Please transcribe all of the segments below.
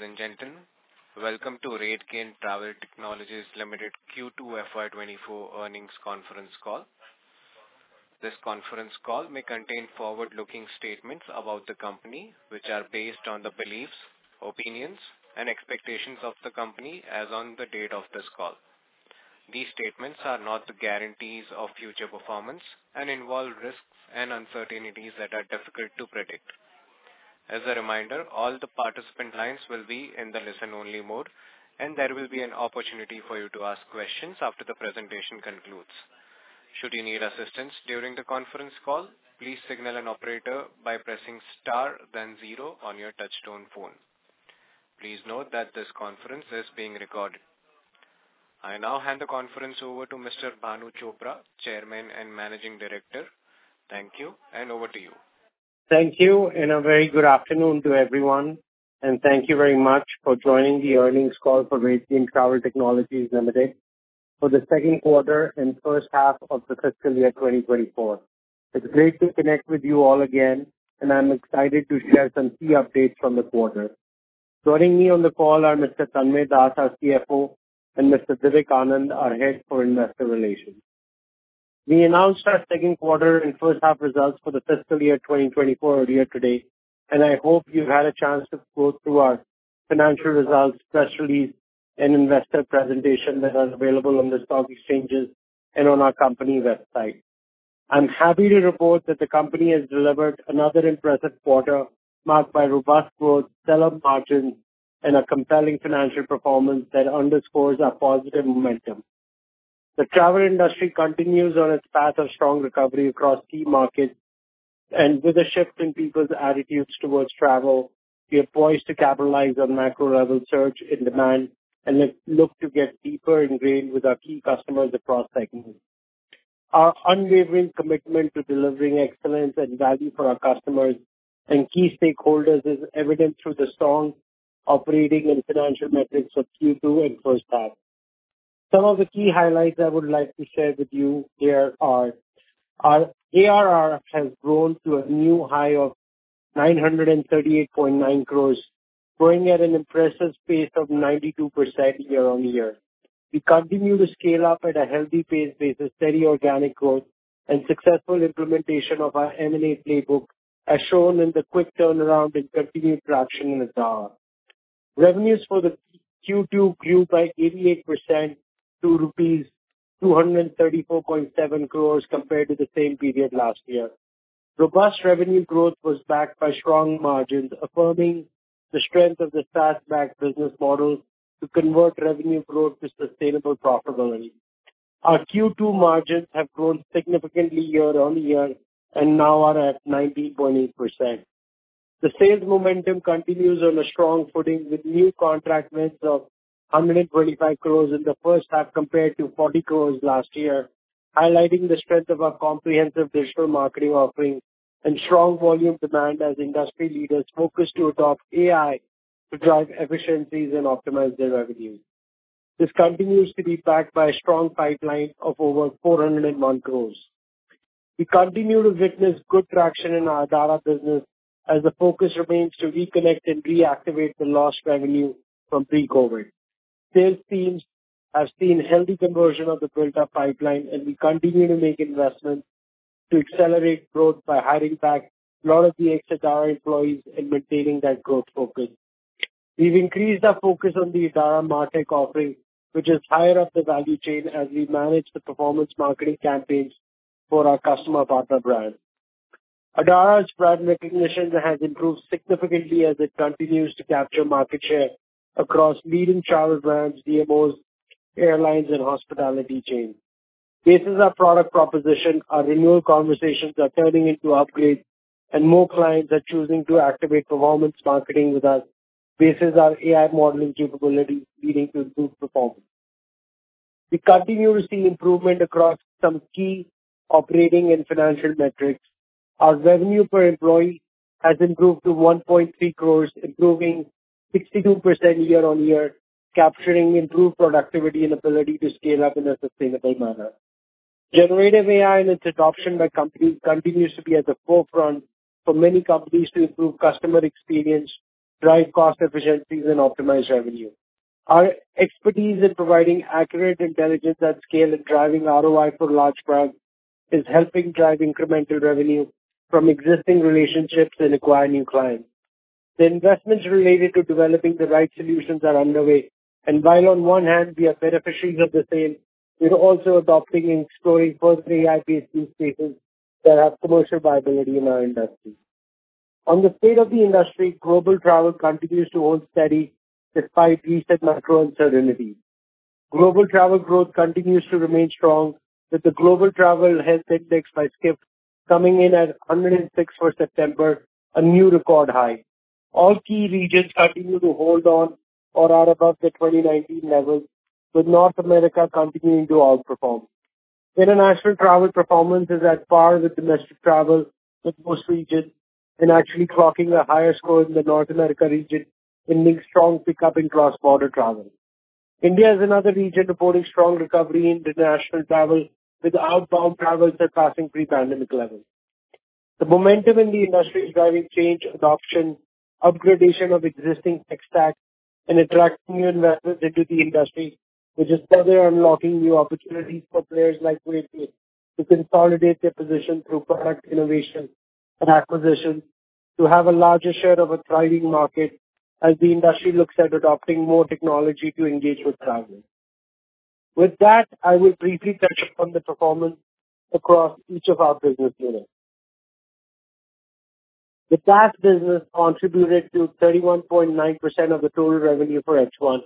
Ladies and gentlemen, welcome to RateGain Travel Technologies Limited Q2 FY 2024 Earnings Conference Call. This conference call may contain forward-looking statements about the company, which are based on the beliefs, opinions, and expectations of the company as on the date of this call. These statements are not the guarantees of future performance and involve risks and uncertainties that are difficult to predict. As a reminder, all the participant lines will be in the listen-only mode, and there will be an opportunity for you to ask questions after the presentation concludes. Should you need assistance during the conference call, please signal an operator by pressing star then zero on your touchtone phone. Please note that this conference is being recorded. I now hand the conference over to Mr. Bhanu Chopra, Chairman and Managing Director. Thank you, and over to you. Thank you, and a very good afternoon to everyone, and thank you very much for joining the earnings call for RateGain Travel Technologies Limited for the second quarter and first half of the fiscal year 2024. It's great to connect with you all again, and I'm excited to share some key updates from the quarter. Joining me on the call are Mr. Tanmaya Das, our CFO, and Mr. Divik Anand, our head for Investor Relations. We announced our second quarter and first half results for the fiscal year 2024 earlier today, and I hope you've had a chance to go through our financial results, press release, and investor presentation that is available on the stock exchanges and on our company website. I'm happy to report that the company has delivered another impressive quarter, marked by robust growth, stellar margins, and a compelling financial performance that underscores our positive momentum. The travel industry continues on its path of strong recovery across key markets, and with a shift in people's attitudes towards travel, we are poised to capitalize on macro-level surge in demand and look to get deeper ingrained with our key customers across segments. Our unwavering commitment to delivering excellence and value for our customers and key stakeholders is evident through the strong operating and financial metrics of Q2 and first half. Some of the key highlights I would like to share with you here are: Our ARR has grown to a new high of 938.9 crores, growing at an impressive pace of 92% year-on-year. We continue to scale up at a healthy pace with a steady organic growth and successful implementation of our M&A playbook, as shown in the quick turnaround and continued traction in Adara. Revenues for the Q2 grew by 88% to rupees 234.7 crore compared to the same period last year. Robust revenue growth was backed by strong margins, affirming the strength of the SaaS-backed business model to convert revenue growth to sustainable profitability. Our Q2 margins have grown significantly year-on-year and now are at 90.8%. The sales momentum continues on a strong footing, with new contract wins of 125 crores in the first half, compared to 40 crores last year, highlighting the strength of our comprehensive digital marketing offering and strong volume demand as industry leaders focus to adopt AI to drive efficiencies and optimize their revenue. This continues to be backed by a strong pipeline of over 401 crores. We continue to witness good traction in our Adara business as the focus remains to reconnect and reactivate the lost revenue from pre-COVID. Sales teams have seen healthy conversion of the built-up pipeline, and we continue to make investments to accelerate growth by hiring back a lot of the exit Adara employees and maintaining that growth focus. We've increased our focus on the Adara MarTech offering, which is higher up the value chain as we manage the performance marketing campaigns for our customer partner brand. Adara's brand recognition has improved significantly as it continues to capture market share across leading travel brands, DMOs, airlines, and hospitality chains. Based on our product proposition, our renewal conversations are turning into upgrades, and more clients are choosing to activate performance marketing with us, based on our AI modeling capabilities leading to improved performance. We continue to see improvement across some key operating and financial metrics. Our revenue per employee has improved to 1.3 crore, improving 62% year-on-year, capturing improved productivity and ability to scale up in a sustainable manner. Generative AI and its adoption by companies continues to be at the forefront for many companies to improve customer experience, drive cost efficiencies, and optimize revenue. Our expertise in providing accurate intelligence at scale and driving ROI for large brands is helping drive incremental revenue from existing relationships and acquire new clients. The investments related to developing the right solutions are underway, and while on one hand, we are beneficiaries of the same, we are also adopting and exploring first AI-based use cases that have commercial viability in our industry. On the state of the industry, global travel continues to hold steady despite recent macro uncertainty. Global travel growth continues to remain strong, with the global travel health index by Skift coming in at 106 for September, a new record high. All key regions continue to hold on or are above the 2019 levels, with North America continuing to outperform. International travel performance is at par with domestic travel in most regions and actually clocking a higher score in the North America region and making strong pickup in cross-border travel. India is another region reporting strong recovery in international travel, with outbound travels surpassing pre-pandemic levels. The momentum in the industry is driving change, adoption, upgradation of existing tech stacks, and attracting new investors into the industry, which is further unlocking new opportunities for players like RateGain to consolidate their position through product innovation and acquisition, to have a larger share of a thriving market as the industry looks at adopting more technology to engage with travelers. With that, I will briefly touch upon the performance across each of our business units. The DaaS business contributed to 31.9% of the total revenue for H1.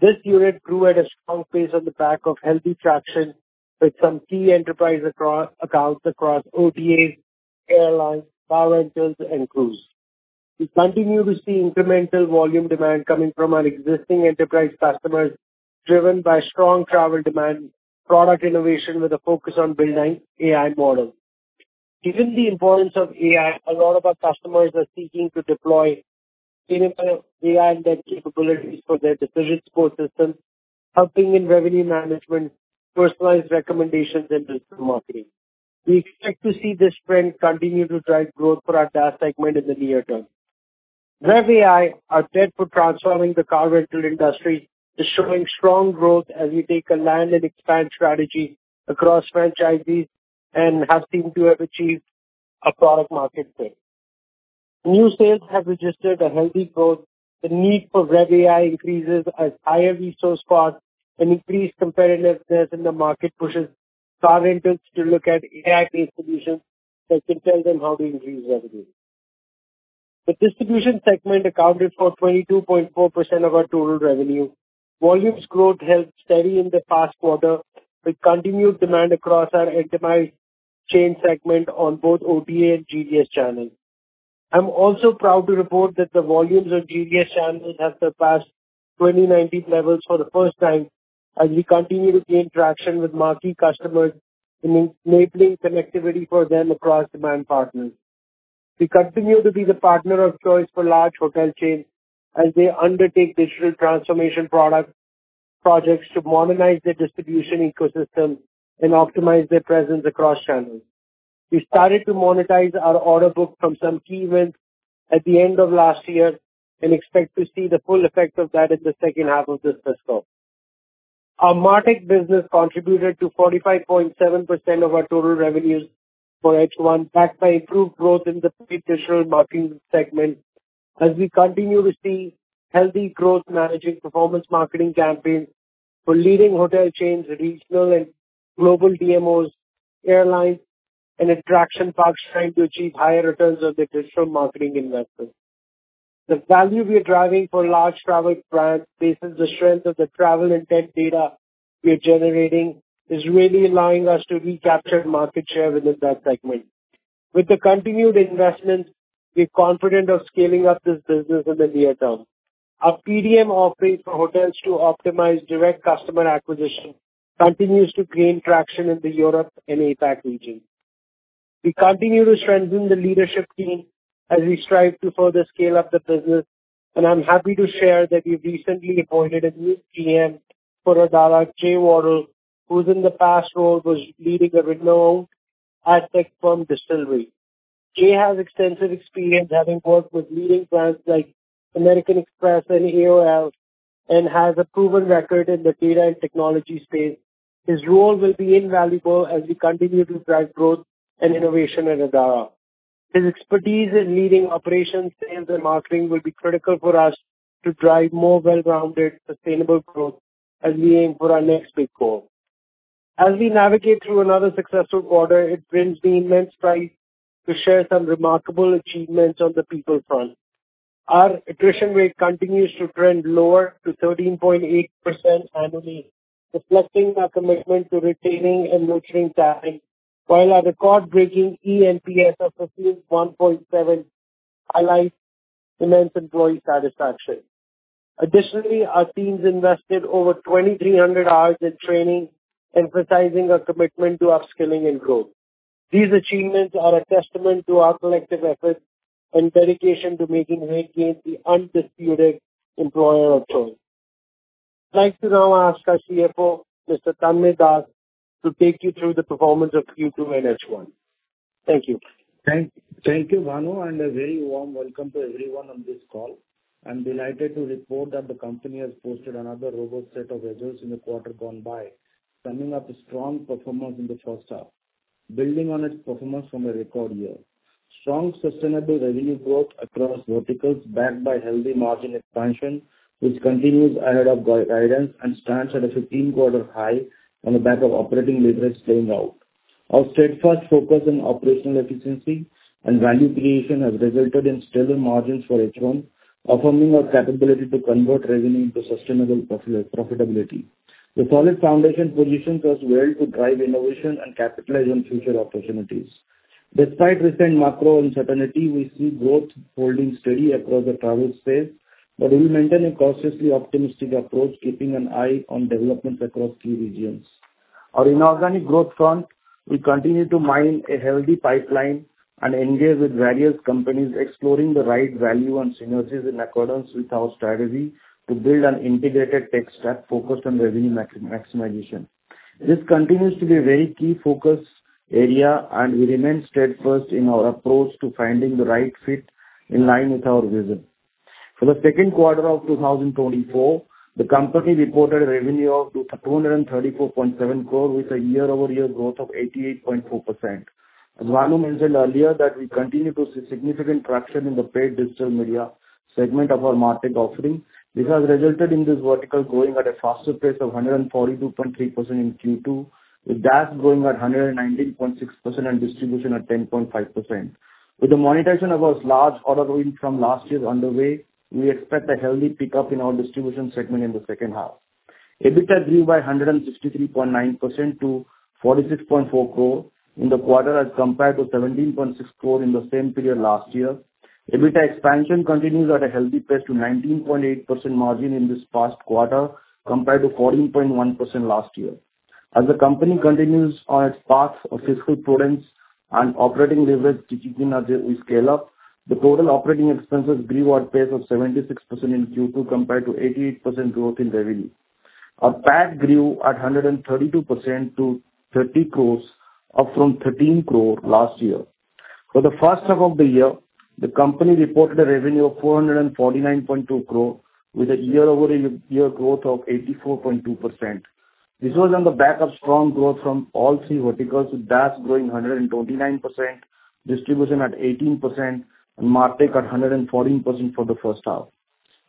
This unit grew at a strong pace on the back of healthy traction with some key enterprise accounts across OTAs, airlines, car rentals, and cruise. We continue to see incremental volume demand coming from our existing enterprise customers, driven by strong travel demand, product innovation with a focus on building AI models. Given the importance of AI, a lot of our customers are seeking to deploy enterprise AI-led capabilities for their decision support systems, helping in revenue management, personalized recommendations, and digital marketing. We expect to see this trend continue to drive growth for our DaaS segment in the near term. RevAI are set for transforming the car rental industry, is showing strong growth as we take a land and expand strategy across franchisees and have seemed to have achieved a product market fit. New sales have registered a healthy growth. The need for RevAI increases as higher resource costs and increased competitiveness in the market pushes car rentals to look at AI-based solutions that can tell them how to increase revenue. The distribution segment accounted for 22.4% of our total revenue. Volumes growth held steady in the past quarter, with continued demand across our optimized chain segment on both OTA and GDS channels. I'm also proud to report that the volumes on GDS channels have surpassed 2019 levels for the first time, as we continue to gain traction with marquee customers in enabling connectivity for them across demand partners. We continue to be the partner of choice for large hotel chains as they undertake digital transformation product projects to modernize their distribution ecosystem and optimize their presence across channels. We started to monetize our order book from some key wins at the end of last year and expect to see the full effect of that in the second half of this fiscal. Our MarTech business contributed to 45.7% of our total revenues for H1, backed by improved growth in the paid digital marketing segment as we continue to see healthy growth, managing performance marketing campaigns for leading hotel chains, regional and global DMOs, airlines, and attraction parks trying to achieve higher returns on their digital marketing investments. The value we are driving for large travel brands, based on the strength of the travel and tech data we are generating, is really allowing us to recapture market share within that segment. With the continued investments, we're confident of scaling up this business in the near term. Our PDM offerings for hotels to optimize direct customer acquisition continues to gain traction in the Europe and APAC region. We continue to strengthen the leadership team as we strive to further scale up the business, and I'm happy to share that we've recently appointed a new GM for Adara, Jay Wardle, who in the past role was leading a renowned ad tech firm, Dstillery. Jay has extensive experience, having worked with leading brands like American Express and AOL, and has a proven record in the data and technology space. His role will be invaluable as we continue to drive growth and innovation at Adara. His expertise in leading operations, sales, and marketing will be critical for us to drive more well-rounded, sustainable growth as we aim for our next big goal. As we navigate through another successful quarter, it brings me immense pride to share some remarkable achievements on the people front. Our attrition rate continues to trend lower to 13.8% annually, reflecting our commitment to retaining and nurturing talent, while our record-breaking ENPS of 51.7 highlights immense employee satisfaction. Additionally, our teams invested over 2,300 hours in training, emphasizing our commitment to upskilling and growth. These achievements are a testament to our collective efforts and dedication to making RateGain the undisputed employer of choice. I'd like to now ask our CFO, Mr. Tanmay Das, to take you through the performance of Q2 and H1. Thank you. Thank you, Bhanu, and a very warm welcome to everyone on this call. I'm delighted to report that the company has posted another robust set of results in the quarter gone by, summing up a strong performance in the first half, building on its performance from a record year. Strong, sustainable revenue growth across verticals, backed by healthy margin expansion, which continues ahead of guidance and stands at a 15-quarter high on the back of operating leverage playing out. Our steadfast focus on operational efficiency and value creation has resulted in stable margins for H1, affirming our capability to convert revenue into sustainable profitability. The solid foundation positions us well to drive innovation and capitalize on future opportunities. Despite recent macro uncertainty, we see growth holding steady across the travel space, but we maintain a cautiously optimistic approach, keeping an eye on developments across key regions. Our inorganic growth front, we continue to mine a healthy pipeline and engage with various companies, exploring the right value and synergies in accordance with our strategy to build an integrated tech stack focused on revenue maxi-maximization.... This continues to be a very key focus area, and we remain steadfast in our approach to finding the right fit in line with our vision. For the second quarter of 2024, the company reported a revenue of 234.7 crore, with a year-over-year growth of 88.4%. As Bhanu mentioned earlier, that we continue to see significant traction in the paid digital media segment of our MarTech offering. This has resulted in this vertical growing at a faster pace of 142.3% in Q2, with DaaS growing at 119.6% and distribution at 10.5%. With the monetization of our large order wins from last year underway, we expect a healthy pickup in our distribution segment in the second half. EBITDA grew by 163.9% to 46.4 crore in the quarter, as compared to 17.6 crore in the same period last year. EBITDA expansion continues at a healthy pace to 19.8% margin in this past quarter, compared to 14.1% last year. As the company continues on its path of fiscal prudence and operating leverage to keep in as we scale up, the total operating expenses grew at pace of 76% in Q2, compared to 88% growth in revenue. Our PAT grew at 132% to 30 crore, up from 13 crore last year. For the first half of the year, the company reported a revenue of 449.2 crore, with a year-over-year growth of 84.2%. This was on the back of strong growth from all three verticals, with DaaS growing 129%, distribution at 18% and MarTech at 114% for the first half.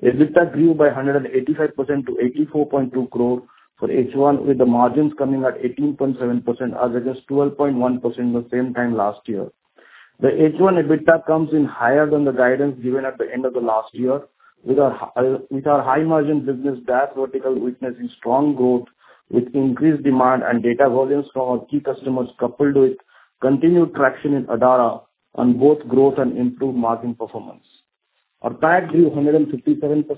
EBITDA grew by 185% to 84.2 crore for H1, with the margins coming at 18.7%, as against 12.1% in the same time last year. The H1 EBITDA comes in higher than the guidance given at the end of the last year, with our, with our high-margin business DaaS vertical witnessing strong growth, with increased demand and data volumes from our key customers, coupled with continued traction in Adara on both growth and improved margin performance. Our PAT grew 157%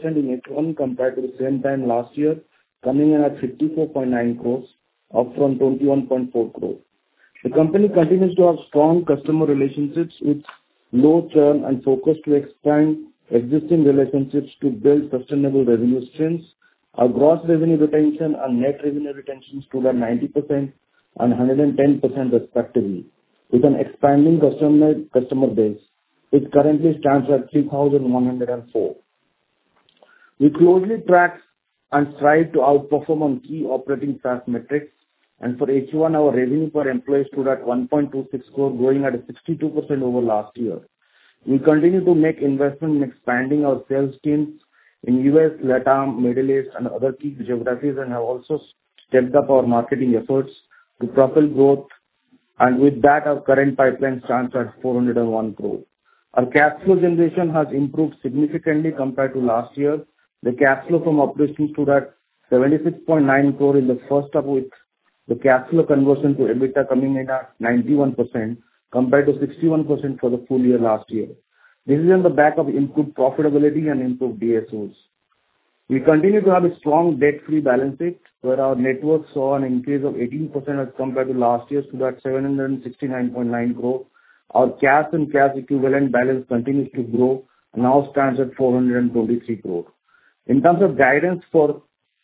in H1 compared to the same time last year, coming in at 54.9 crore, up from 21.4 crore. The company continues to have strong customer relationships with low churn and focus to expand existing relationships to build sustainable revenue streams. Our gross revenue retention and net revenue retention stood at 90% and 110% respectively, with an expanding customer base, which currently stands at 3,104. We closely track and strive to outperform on key operating SaaS metrics, and for H1, our revenue per employee stood at 1.26 crore, growing at 62% over last year. We continue to make investment in expanding our sales teams in U.S., Latam, Middle East, and other key geographies, and have also stepped up our marketing efforts to propel growth. With that, our current pipeline stands at 401 crore. Our cash flow generation has improved significantly compared to last year. The cash flow from operations stood at 76.9 crore in the first half, with the cash flow conversion to EBITDA coming in at 91%, compared to 61% for the full year last year. This is on the back of improved profitability and improved DSOs. We continue to have a strong debt-free balance sheet, where our net worth saw an increase of 18% as compared to last year's, to about 769.9 crore. Our cash and cash equivalent balance continues to grow and now stands at 423 crore. In terms of guidance for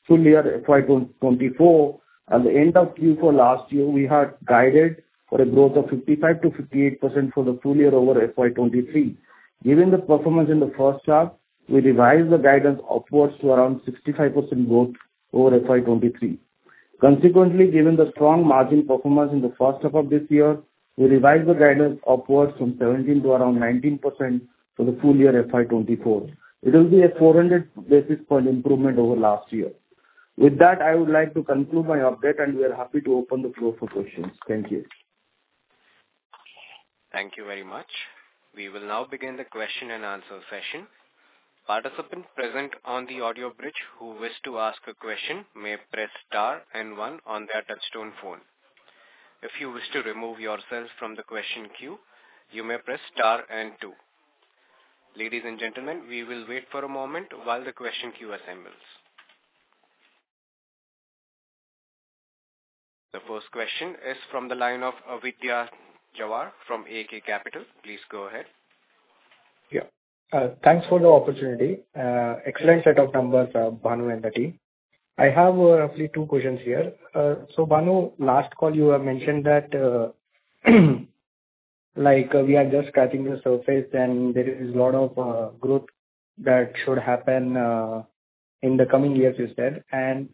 full year FY 2024, at the end of Q4 last year, we had guided for a growth of 55%-58% for the full year over FY 2023. Given the performance in the first half, we revised the guidance upwards to around 65% growth over FY 2023. Consequently, given the strong margin performance in the first half of this year, we revised the guidance upwards from 17% to around 19% for the full year FY 2024. It will be a 400 basis point improvement over last year. With that, I would like to conclude my update, and we are happy to open the floor for questions. Thank you. Thank you very much. We will now begin the question and answer session. Participants present on the audio bridge who wish to ask a question may press star and one on their touchtone phone. If you wish to remove yourself from the question queue, you may press star and two. Ladies and gentlemen, we will wait for a moment while the question queue assembles. The first question is from the line of Vipul Jhawar from AK Capital. Please go ahead. Yeah, thanks for the opportunity. Excellent set of numbers, Bhanu, and the team. I have roughly two questions here. So, Bhanu, last call you have mentioned that, like, we are just scratching the surface, and there is a lot of growth that should happen in the coming years, you said. And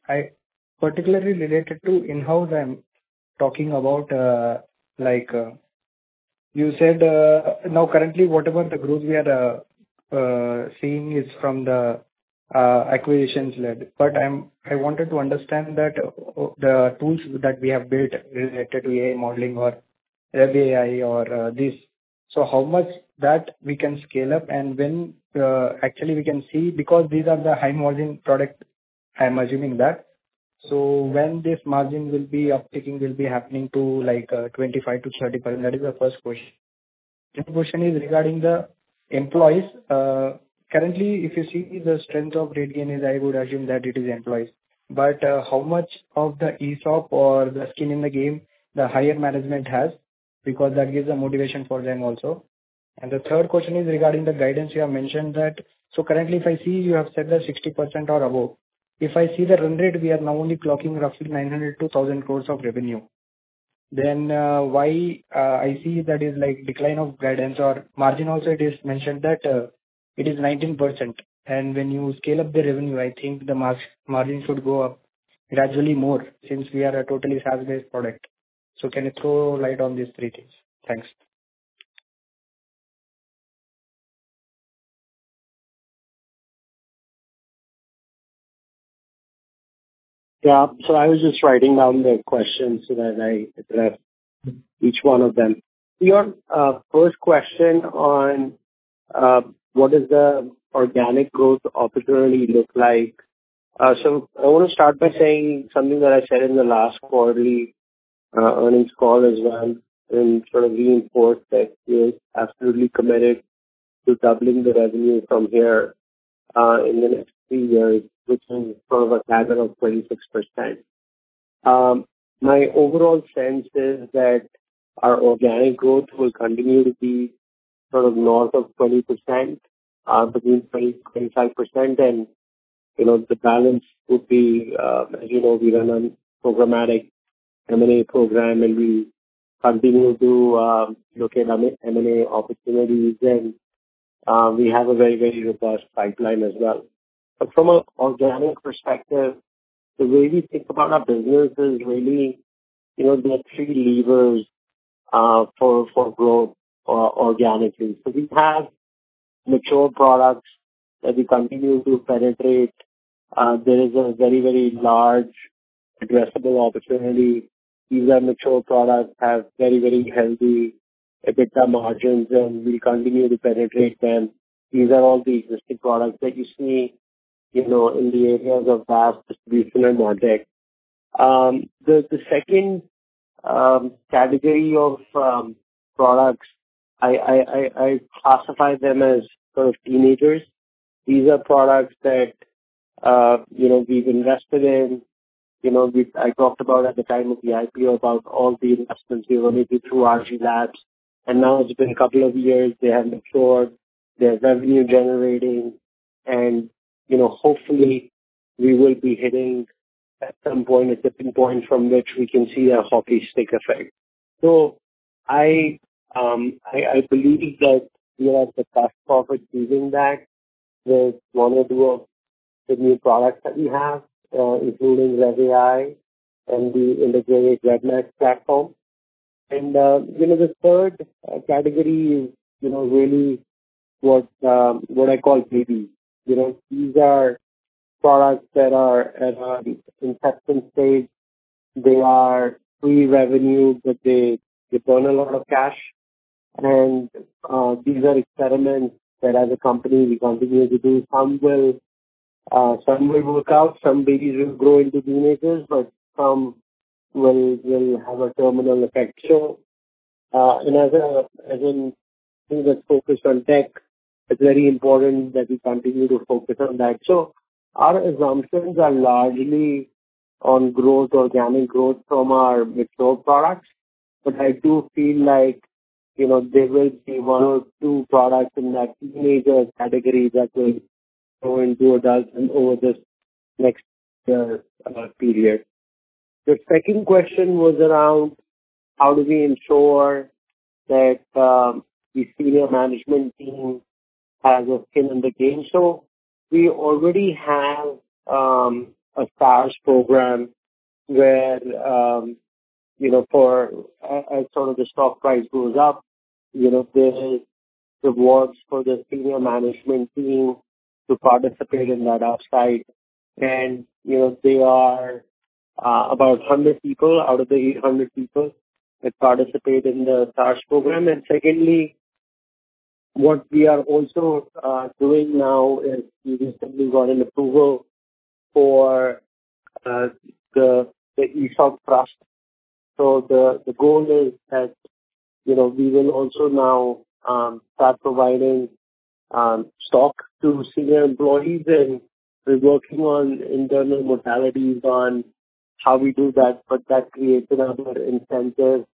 particularly related to in-house, I'm talking about, like, you said, now currently, whatever the growth we are seeing is from the acquisition-led. But I wanted to understand that, the tools that we have built related to AI modeling or AI or this. So how much that we can scale up, and when actually we can see, because these are the high-margin product, I'm assuming that. So when this margin will be upticking, will be happening to, like, 25%-35%? That is the first question. The second question is regarding the employees. Currently, if you see the strength of RateGain is, I would assume that it is employees, but, how much of the ESOP or the skin in the game the higher management has, because that gives the motivation for them also? And the third question is regarding the guidance. You have mentioned that. So currently, if I see, you have said that 60% or above. If I see the run rate, we are now only clocking roughly 900-1,000 crores of revenue. Why I see that is like decline of guidance or margin also, it is mentioned that it is 19%, and when you scale up the revenue, I think the margin should go up gradually more since we are a totally SaaS-based product. So can you throw light on these three things? Thanks. Yeah. So I was just writing down the questions so that I address each one of them. Your first question on what does the organic growth opportunity look like? So I want to start by saying something that I said in the last quarterly earnings call as well, and sort of reinforce that we are absolutely committed to doubling the revenue from here in the next three years, which is sort of a CAGR of 26%. My overall sense is that our organic growth will continue to be sort of north of 20%, between 20%-25%, and, you know, the balance would be, you know, we run a programmatic M&A program, and we continue to look at M&A opportunities, and we have a very, very robust pipeline as well. But from an organic perspective, the way we think about our business is really, you know, there are three levers for growth organically. So we have mature products that we continue to penetrate. There is a very, very large addressable opportunity. These are mature products, have very, very healthy EBITDA margins, and we continue to penetrate them. These are all the existing products that you see, you know, in the areas of SaaS distribution and MarTech. The second category of products, I classify them as sort of teenagers. These are products that, you know, we've invested in. You know, I talked about at the time of the IPO, about all the investments we were making through RG Labs, and now it's been a couple of years, they have matured, they're revenue generating and, you know, hopefully we will be hitting at some point, a tipping point from which we can see a hockey stick effect. So I believe that we have the first profit using that, with one or two of the new products that we have, including RevAI and the integrated RevMax platform. And, you know, the third category is, you know, really what, what I call babies. You know, these are products that are at an infant stage. They are pre-revenue, but they burn a lot of cash. And, these are experiments that as a company, we continue to do. Some will, some will work out, some babies will grow into teenagers, but some will have a terminal effect. So, as in things that focus on tech, it's very important that we continue to focus on that. So our assumptions are largely on growth, organic growth from our mature products. But I do feel like, you know, there will be one or two products in that major category that will grow into a dozen over this next period. The second question was around how do we ensure that the senior management team has a skin in the game? So we already have a SARs program where, you know, for, as sort of the stock price goes up, you know, there is rewards for the senior management team to participate in that upside. You know, they are about 100 people out of the 800 people that participate in the SARs program. Secondly, what we are also doing now is we recently got an approval for the ESOP trust. So the goal is that, you know, we will also now start providing stock to senior employees, and we're working on internal modalities on how we do that. But that creates another incentive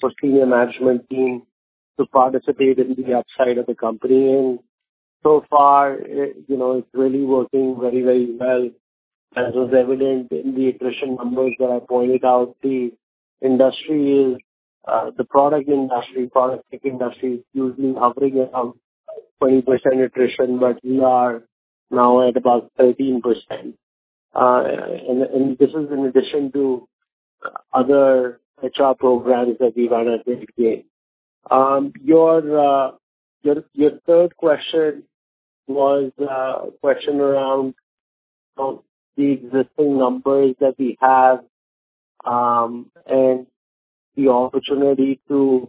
for senior management team to participate in the upside of the company. So far, it, you know, it's really working very, very well. As was evident in the attrition numbers that I pointed out, the industry is the product industry, product fit industry is usually averaging around 20% attrition, but we are now at about 13%. And this is in addition to other HR programs that we run as well. Your third question was a question around the existing numbers that we have, and the opportunity to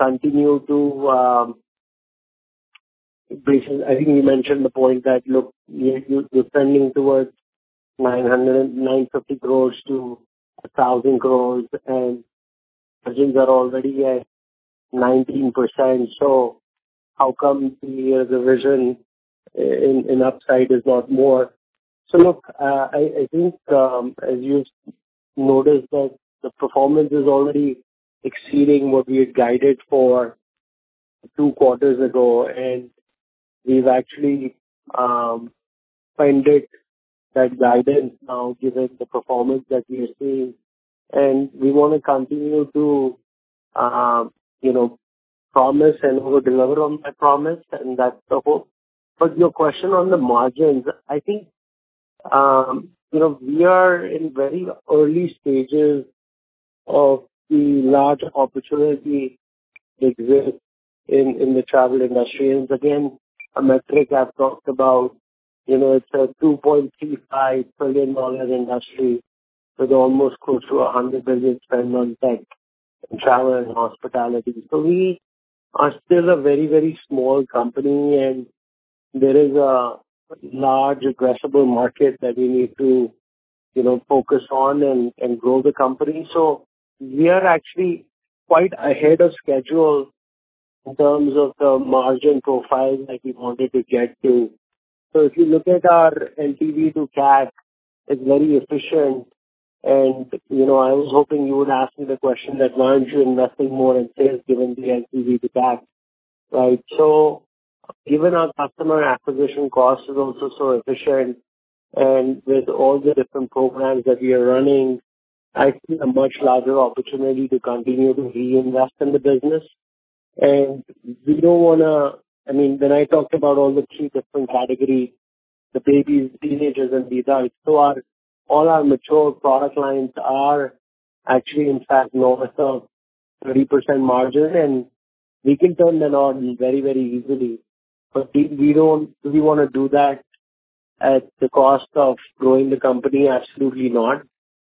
continue to, basically, I think you mentioned the point that, look, we're trending towards 900-950 crore to 1,000 crore, and margins are already at 19%. How come the division in upside is not more? Look, I think, as you've noticed, the performance is already exceeding what we had guided for two quarters ago, and we've actually funded that guidance now, given the performance that we are seeing. We want to continue to, you know, promise and over-deliver on that promise, and that's the hope. But your question on the margins, I think, you know, we are in very early stages of the large opportunity that exists in, in the travel industry. And again, a metric I've talked about, you know, it's a $2.35 billion industry with almost close to $100 billion spent on tech, travel, and hospitality. So we are still a very, very small company, and there is a large addressable market that we need to, you know, focus on and, and grow the company. So we are actually quite ahead of schedule in terms of the margin profile that we wanted to get to. So if you look at our LTV to CAC, it's very efficient and, you know, I was hoping you would ask me the question that, why aren't you investing more in sales given the LTV to CAC, right? So even our customer acquisition cost is also so efficient, and with all the different programs that we are running, I see a much larger opportunity to continue to reinvest in the business. And we don't wanna—I mean, when I talked about all the three different categories, the babies, teenagers, and adults, so all our mature product lines are actually, in fact, north of 30% margin, and we can turn them on very, very easily. But we don't really wanna do that at the cost of growing the company. Absolutely not.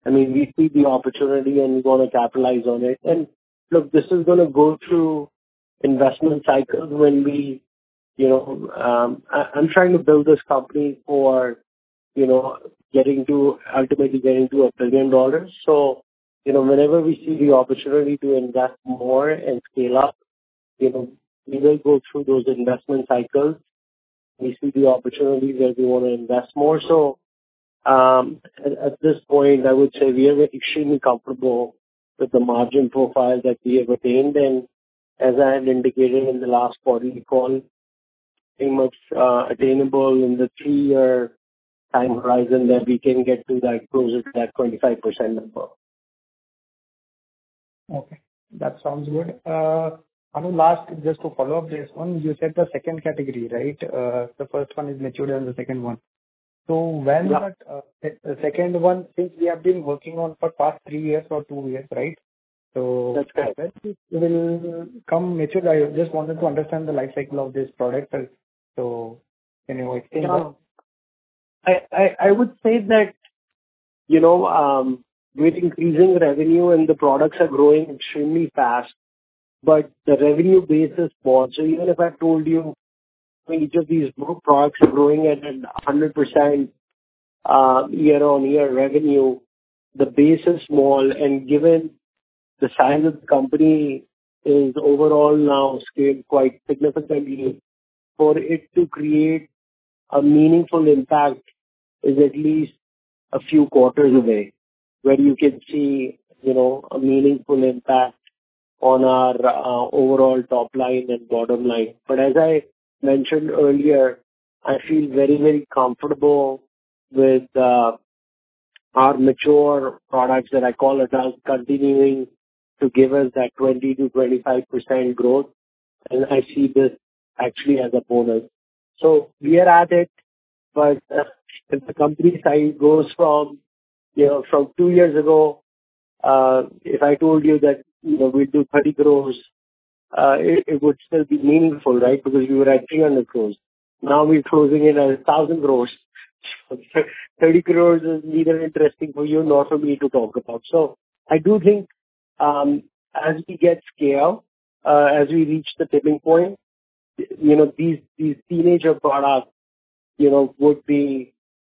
I mean, we see the opportunity, and we wanna capitalize on it. And look, this is gonna go through investment cycles when we, you know... I'm trying to build this company for, you know, getting to, ultimately getting to $1 billion. So, you know, whenever we see the opportunity to invest more and scale up, you know, we will go through those investment cycles. We see the opportunities where we want to invest more. So, at this point, I would say we are extremely comfortable with the margin profile that we have attained. And as I have indicated in the last quarterly call, pretty much attainable in the three-year time horizon that we can get to that, close to that 25% number. Okay, that sounds good. Bhanu, last, just to follow up this one, you said the second category, right? The first one is mature and the second one. So when that- Yeah. the second one, since we have been working on for past 3 years or 2 years, right? So- That's correct. It will come mature. I just wanted to understand the life cycle of this product. Anyway, yeah. I would say that, you know, we're increasing revenue, and the products are growing extremely fast, but the revenue base is small. So even if I told you each of these new products are growing at 100% year-on-year revenue, the base is small, and given the size of the company is overall now scaled quite significantly, for it to create a meaningful impact is at least a few quarters away, where you can see, you know, a meaningful impact on our overall top line and bottom line. But as I mentioned earlier, I feel very, very comfortable with our mature products that I call it as continuing to give us that 20%-25% growth, and I see this actually as a bonus. So we are at it, but, if the company size goes from, you know, from two years ago, if I told you that, you know, we do 30 crores, it, it would still be meaningful, right? Because we were at 300 crores. Now, we're closing in at 1,000 crores. 30 crores is neither interesting for you nor for me to talk about. So I do think, as we get scale, as we reach the tipping point, you know, these, these teenager products, you know, would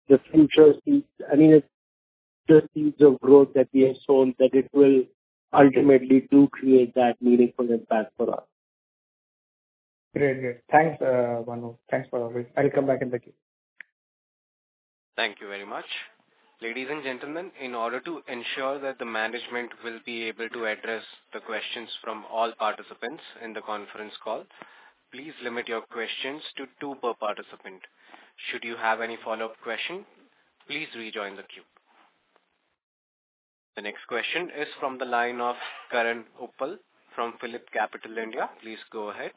be the future seeds. I mean, it's the seeds of growth that we have sown, that it will ultimately do create that meaningful impact for us. Great. Great. Thanks, Bhanu. Thanks for that. I will come back in the queue. Thank you very much. Ladies and gentlemen, in order to ensure that the management will be able to address the questions from all participants in the conference call, please limit your questions to two per participant. Should you have any follow-up question, please rejoin the queue. The next question is from the line of Karan Uppal from PhillipCapital India. Please go ahead.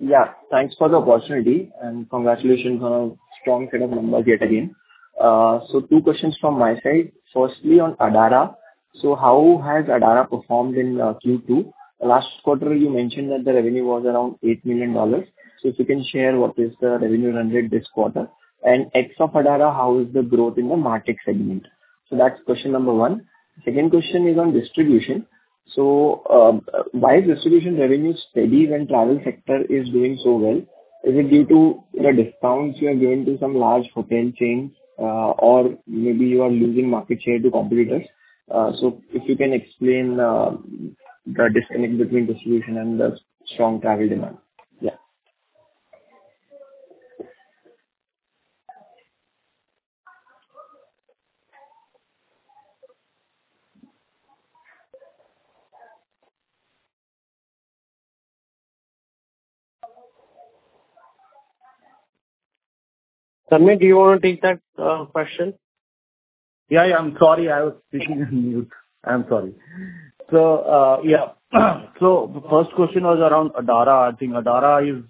Yeah, thanks for the opportunity, and congratulations on a strong set of numbers yet again. So two questions from my side. Firstly, on Adara, so how has Adara performed in Q2? Last quarter, you mentioned that the revenue was around $8 million. So if you can share what is the revenue run rate this quarter? And ex of Adara, how is the growth in the MarTech segment? So that's question number one. Second question is on distribution. So why is distribution revenue steady when travel sector is doing so well? Is it due to the discounts you are giving to some large hotel chains, or maybe you are losing market share to competitors? So if you can explain the disconnect between distribution and the strong travel demand. Yeah. Bhanu, do you want to take that question? Yeah, yeah. I'm sorry, I was speaking on mute. I'm sorry. So, yeah. So the first question was around Adara. I think Adara is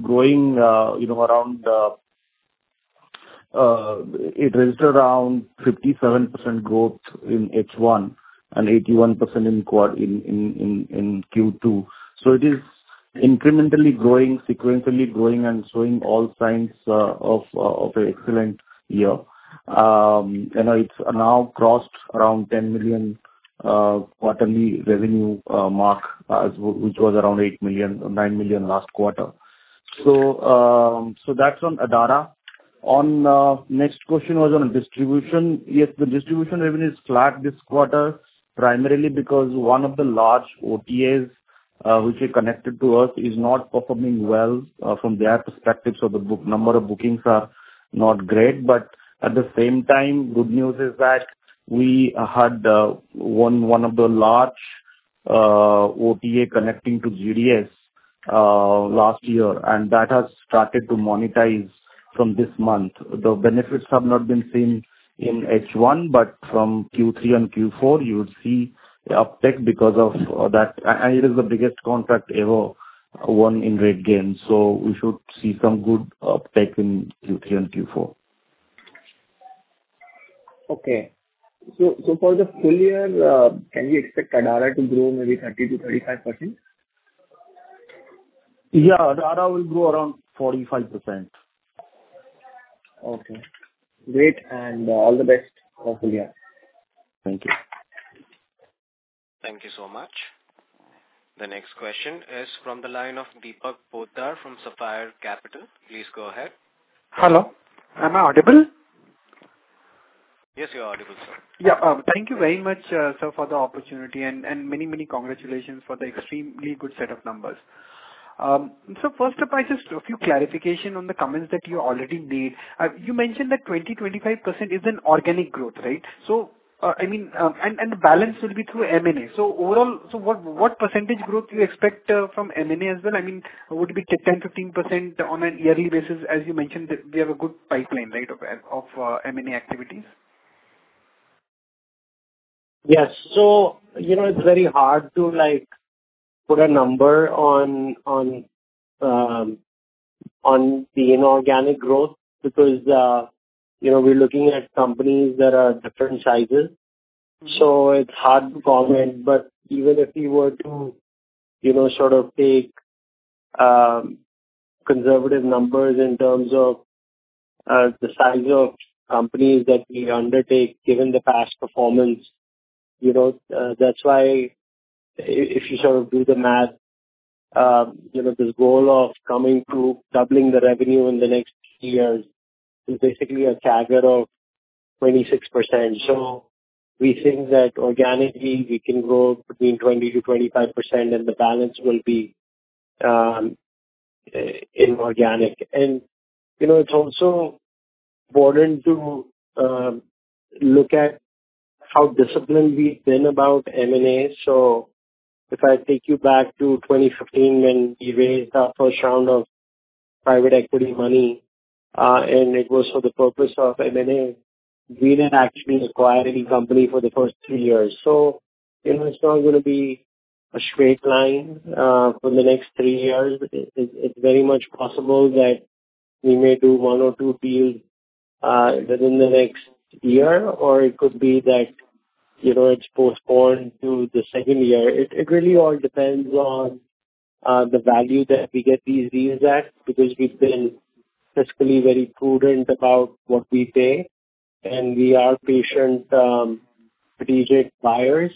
growing, you know, around, it registered around 57% growth in H1 and 81% in Q2. So it is incrementally growing, sequentially growing and showing all signs of an excellent year. And it's now crossed around $10 million quarterly revenue mark, which was around $8 million-$9 million last quarter. So, that's on Adara. On next question was on distribution. Yes, the distribution revenue is flat this quarter, primarily because one of the large OTAs, which are connected to us, is not performing well from their perspective. So the book, number of bookings are not great, but at the same time, good news is that we had, one, one of the large, OTA connecting to GDS, last year, and that has started to monetize from this month. The benefits have not been seen in H one, but from Q three and Q four, you would see a uptick because of that. And it is the biggest contract ever won in RateGain. So we should see some good uptick in Q three and Q four. Okay. So for the full year, can we expect Adara to grow maybe 30%-35%? Yeah, Adara will grow around 45%. Okay, great, and all the best for full year. Thank you. Thank you so much. The next question is from the line of Deepak Poddar from Sapphire Capital. Please go ahead. Hello, am I audible? Yes, you're audible, sir. Yeah, thank you very much, sir, for the opportunity and, and many, many congratulations for the extremely good set of numbers. So first up, I just a few clarification on the comments that you already made. You mentioned that 25% is an organic growth, right? So, I mean, and the balance will be through M&A. So overall, what percentage growth you expect from M&A as well? I mean, would it be 10%-15% on a yearly basis, as you mentioned, they have a good pipeline, right, of M&A activities? Yes. So, you know, it's very hard to, like, put a number on, on, the inorganic growth, because, you know, we're looking at companies that are different sizes, so it's hard to comment. But even if we were to, you know, sort of take, conservative numbers in terms of, the size of companies that we undertake, given the past performance, you know, that's why if you sort of do the math, you know, this goal of coming to doubling the revenue in the next three years is basically a CAGR of 26%. So we think that organically we can grow between 20%-25%, and the balance will be, inorganic. And, you know, it's also important to, look at how disciplined we've been about M&A. So if I take you back to 2015, when we raised our first round of private equity money, and it was for the purpose of M&A, we didn't actually acquire any company for the first three years. So you know, it's not going to be a straight line, for the next three years. But it, it's very much possible that we may do one or two deals, within the next year. Or it could be that, you know, it's postponed to the second year. It, it really all depends on, the value that we get these deals at, because we've been fiscally very prudent about what we pay and we are patient, strategic buyers.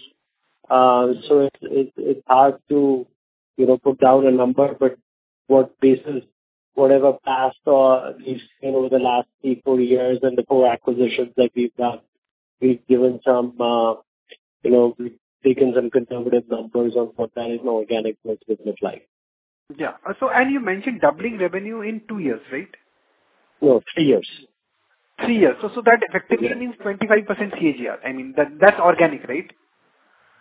So it's hard to, you know, put down a number, but what basis, whatever past, or at least, you know, over the last three, four years and the core acquisitions that we've done, we've given some, you know, we've taken some conservative numbers on what that inorganic growth looks like. Yeah. So, and you mentioned doubling revenue in two years, right? No, 3 years. Three years. So, that effectively- Yeah. means 25% CAGR. I mean, that, that's organic, right?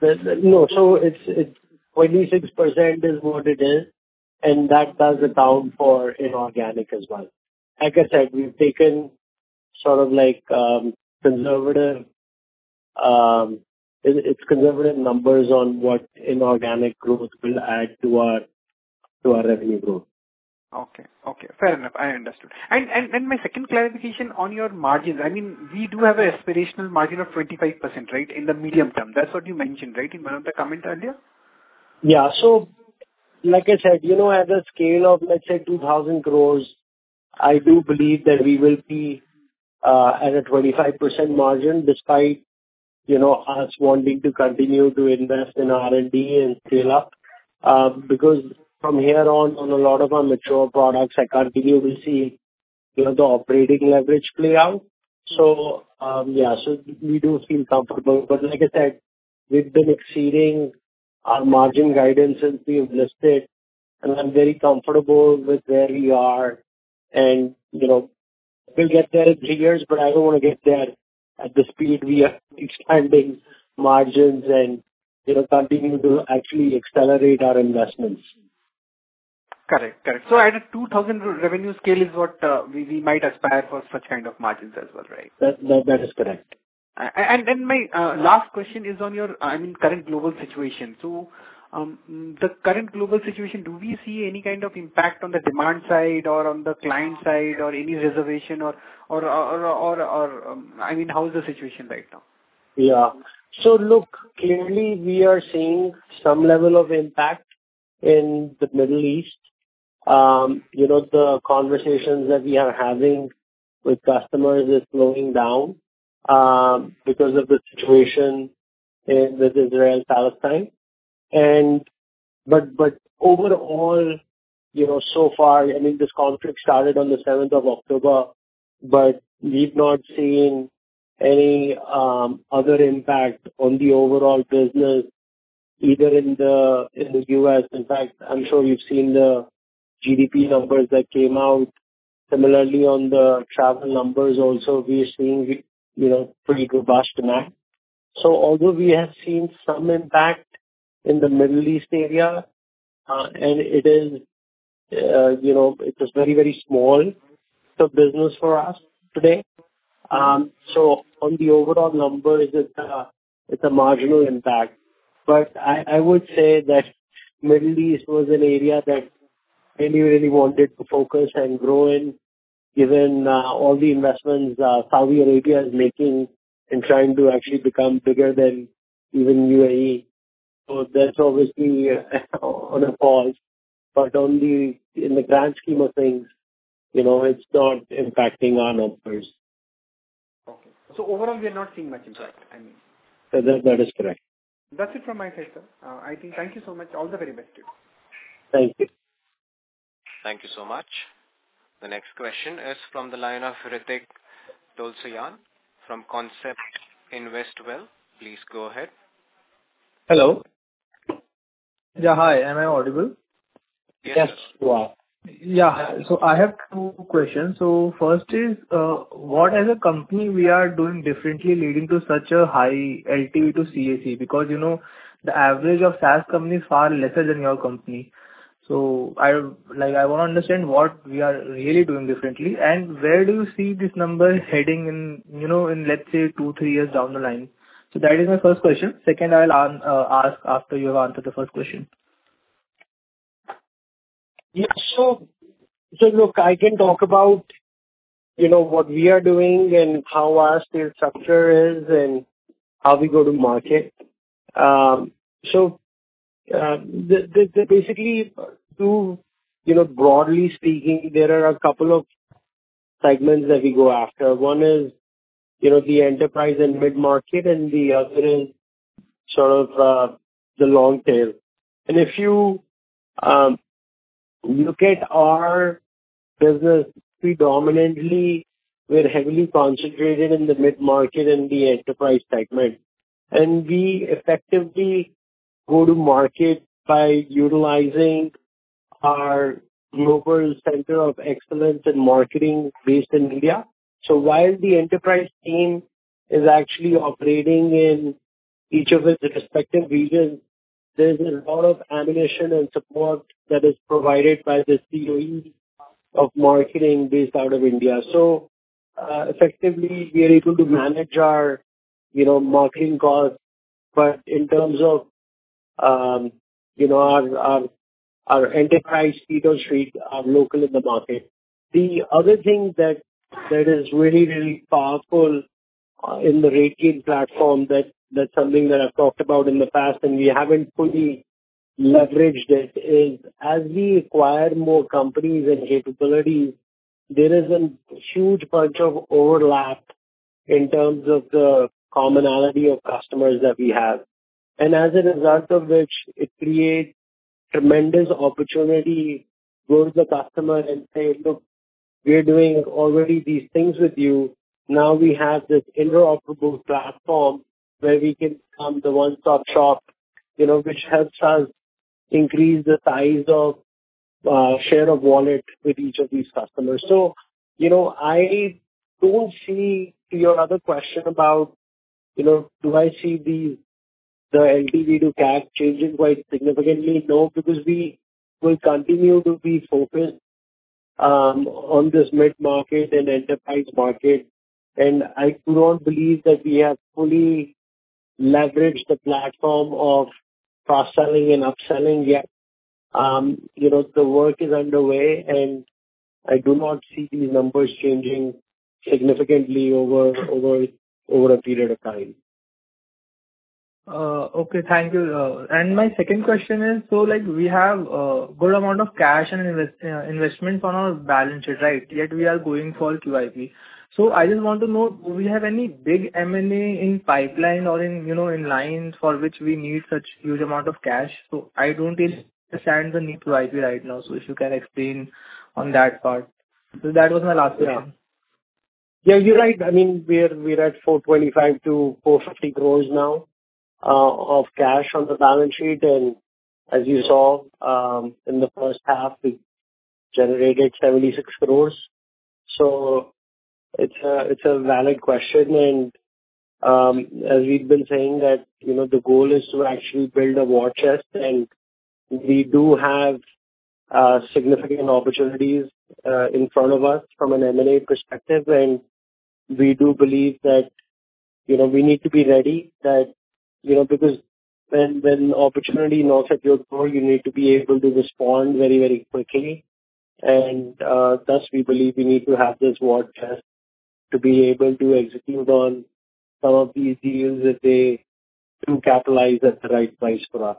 No. So it's 26% is what it is, and that does account for inorganic as well. Like I said, we've taken sort of like conservative numbers on what inorganic growth will add to our revenue growth. Okay. Okay, fair enough. I understood. And, and, and my second clarification on your margins, I mean, we do have an aspirational margin of 25%, right? In the medium term. That's what you mentioned, right, in one of the comments earlier? Yeah. So like I said, you know, at a scale of, let's say, 2,000 crore, I do believe that we will be at a 25% margin, despite, you know, us wanting to continue to invest in R&D and scale up. Because from here on, on a lot of our mature products, I continue to see, you know, the operating leverage play out. So, yeah, so we do feel comfortable. But like I said, we've been exceeding our margin guidance as we have listed, and I'm very comfortable with where we are. And, you know, we'll get there in three years, but I don't want to get there at the speed we are expanding margins and, you know, continuing to actually accelerate our investments. Correct. Correct. So at a 2000 revenue scale is what we might aspire for such kind of margins as well, right? That, that is correct. My last question is on your, I mean, current global situation. The current global situation, do we see any kind of impact on the demand side or on the client side, or any reservation, I mean, how is the situation right now? Yeah. So look, clearly we are seeing some level of impact in the Middle East. You know, the conversations that we are having with customers is slowing down, because of the situation in Israel and Palestine. But overall, you know, so far, I mean, this conflict started on the seventh of October, but we've not seen any other impact on the overall business, either in the U.S. In fact, I'm sure you've seen the GDP numbers that came out. Similarly, on the travel numbers also, we are seeing, you know, pretty robust demand. So although we have seen some impact in the Middle East area, and it is, you know, it is very, very small, the business for us today. So on the overall numbers, it's a marginal impact. But I would say that Middle East was an area that we really wanted to focus and grow in, given all the investments Saudi Arabia is making in trying to actually become bigger than even UAE. So that's obviously on a pause, but only in the grand scheme of things, you know, it's not impacting our numbers. Okay. So overall, we are not seeing much impact, I mean. That, that is correct. That's it from my side, sir. I think, thank you so much. All the very best to you. Thank you. Thank you so much. The next question is from the line of Ritik Dolsiyan from Concept Investwell. Please go ahead. Hello. Yeah, hi, am I audible? Yes, you are. Yeah. So I have two questions. So first is, what as a company we are doing differently, leading to such a high LTV to CAC? Because, you know, the average of SaaS company is far lesser than your company. So, like, I want to understand what we are really doing differently, and where do you see this number heading in, you know, in, let's say, two, three years down the line? So that is my first question. Second, I'll ask after you have answered the first question. Yeah. So, so look, I can talk about, you know, what we are doing and how our sales structure is and how we go to market. So, basically, two, you know, broadly speaking, there are a couple of segments that we go after. One is, you know, the enterprise and mid-market, and the other is sort of, the long tail. And if you, look at our business, predominantly, we're heavily concentrated in the mid-market and the enterprise segment. And we effectively go to market by utilizing our global center of excellence in marketing based in India. So while the enterprise team is actually operating in each of its respective regions, there's a lot of ammunition and support that is provided by the COEs of marketing based out of India. So, effectively, we are able to manage our, you know, marketing costs. But in terms of, you know, our enterprise strengths are local in the market. The other thing that is really, really powerful in the RateGain platform, that's something that I've talked about in the past and we haven't fully leveraged it, is as we acquire more companies and capabilities, there is a huge bunch of overlap in terms of the commonality of customers that we have. And as a result of which, it creates tremendous opportunity, go to the customer and say, "Look, we are doing already these things with you. Now we have this interoperable platform where we can become the one-stop shop," you know, which helps us increase the size of share of wallet with each of these customers. So, you know, I don't see your other question about, you know, do I see the LTV to CAC changing quite significantly? No, because we will continue to be focused on this mid-market and enterprise market, and I do not believe that we have fully leveraged the platform of cross-selling and upselling yet. You know, the work is underway, and I do not see these numbers changing significantly over a period of time. Okay. Thank you. And my second question is, so like we have good amount of cash and investment on our balance sheet, right? Yet we are going for QIP. So I just want to know, do we have any big M&A in pipeline or in, you know, in line for which we need such huge amount of cash? So I don't understand the need for QIP right now. So if you can explain on that part. So that was my last question.... Yeah, you're right. I mean, we are, we're at 425 crore-450 crore now, of cash on the balance sheet. And as you saw, in the first half, we generated 76 crore. So it's a valid question. And, as we've been saying that, you know, the goal is to actually build a war chest, and we do have, significant opportunities, in front of us from an M&A perspective. And we do believe that, you know, we need to be ready, that, you know, because when, when opportunity knocks at your door, you need to be able to respond very, very quickly. And, thus, we believe we need to have this war chest to be able to execute on some of these deals to capitalize at the right price for us.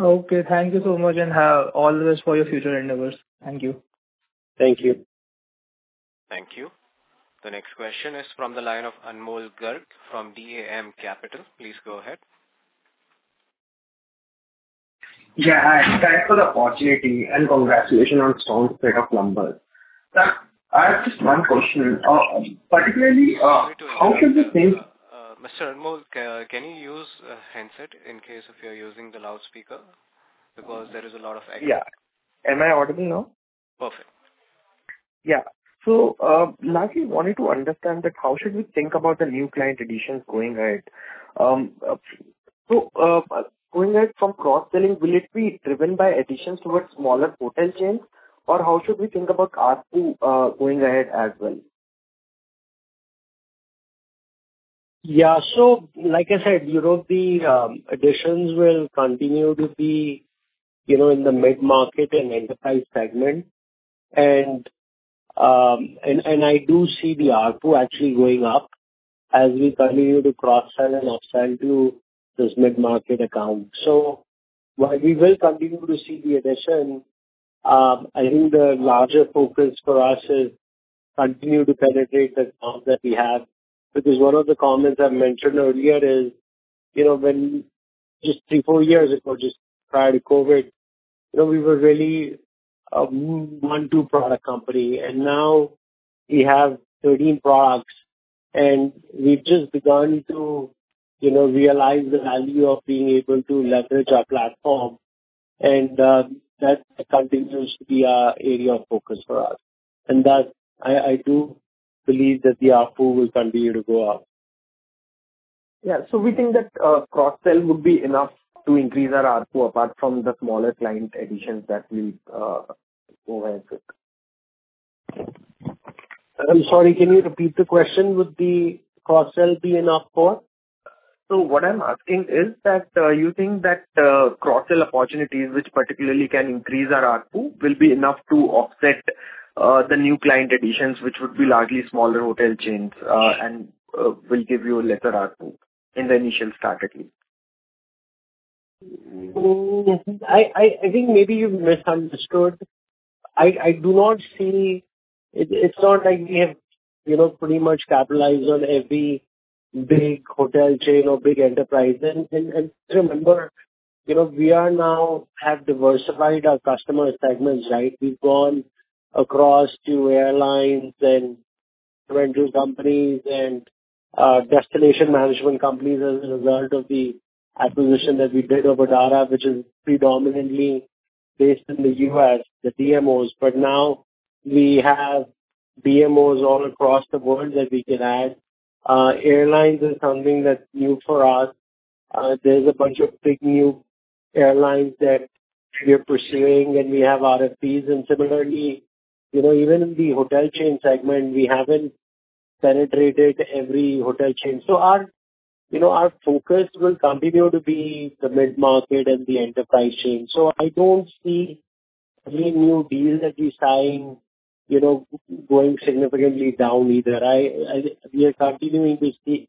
Okay, thank you so much, and have all the best for your future endeavors. Thank you. Thank you. Thank you. The next question is from the line of Anmol Garg from DAM Capital. Please go ahead. Yeah, hi. Thanks for the opportunity, and congratulations on strong set of numbers. Sir, I have just one question. Particularly, how should you think- Mr. Anmol, can you use a handset in case if you're using the loudspeaker? Because there is a lot of echo. Yeah. Am I audible now? Perfect. Yeah. So, lastly, wanted to understand that how should we think about the new client additions going ahead? So, going ahead from cross-selling, will it be driven by additions towards smaller hotel chains, or how should we think about ARPU, going ahead as well? Yeah. So like I said, you know, the additions will continue to be, you know, in the mid-market and enterprise segment. And I do see the ARPU actually going up as we continue to cross-sell and upsell to those mid-market accounts. So while we will continue to see the addition, I think the larger focus for us is continue to penetrate the accounts that we have. Because one of the comments I mentioned earlier is, you know, when just three, four years ago, just prior to COVID, you know, we were really a one, two-product company, and now we have 13 products, and we've just begun to, you know, realize the value of being able to leverage our platform. And that continues to be our area of focus for us. And that I do believe that the ARPU will continue to go up. Yeah. So we think that cross-sell would be enough to increase our ARPU, apart from the smaller client additions that will go ahead with? I'm sorry, can you repeat the question? Would the cross-sell be enough for? So what I'm asking is that you think that cross-sell opportunities, which particularly can increase our ARPU, will be enough to offset the new client additions, which would be largely smaller hotel chains, and will give you a lesser ARPU in the initial start at least? I think maybe you've misunderstood. I do not see... It's not like we have, you know, pretty much capitalized on every big hotel chain or big enterprise. And remember, you know, we are now have diversified our customer segments, right? We've gone across to airlines and rental companies and destination management companies as a result of the acquisition that we did of Adara, which is predominantly based in the U.S., the DMOs. But now we have DMOs all across the world that we can add. Airlines is something that's new for us. There's a bunch of big new airlines that we are pursuing, and we have RFPs. And similarly, you know, even the hotel chain segment, we haven't penetrated every hotel chain. So our, you know, our focus will continue to be the mid-market and the enterprise chain. I don't see any new deals that we sign, you know, going significantly down either. We are continuing to see